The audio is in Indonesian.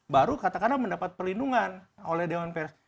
baru katakanlah mendapat perlindungan oleh dewan pers